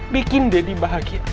bikin daddy bahagia